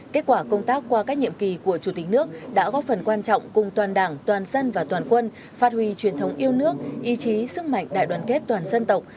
kết quả công tác qua các nhiệm kỳ của chủ tịch nước đã góp phần quan trọng cùng toàn đảng toàn dân và toàn quân phát huy truyền thống yêu nước ý chí sức mạnh đại đoàn kết toàn dân tộc